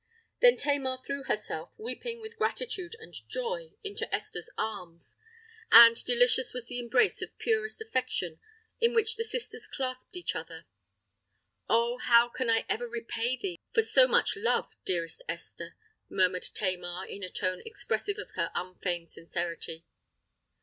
Then Tamar threw herself, weeping with gratitude and joy, into Esther's arms; and delicious was the embrace of purest affection in which the sisters clasped each other. "Oh! how can I ever repay thee for so much love, dearest Esther?" murmured Tamar in a tone expressive of her unfeigned sincerity.